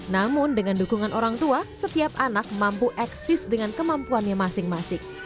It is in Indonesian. namun dengan dukungan orang tua setiap anak mampu eksis dengan kemampuannya masing masing